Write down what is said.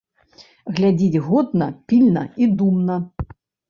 Глядзіць годна, пільна і думна.